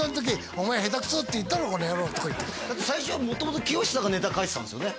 「お前下手クソって言ったろこの野郎」とか言ってだって最初は元々きよしさんがネタ書いてたんですよね？